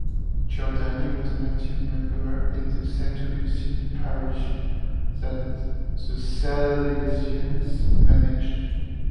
Giordani was an active member in the Saint Augustine parish that the Salesians managed.